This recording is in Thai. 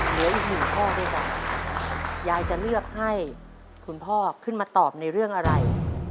เหลืออีกหนึ่งข้อด้วยกันยายจะเลือกให้คุณพ่อขึ้นมาตอบในเรื่องอะไร